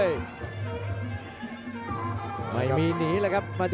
โยกขวางแก้งขวา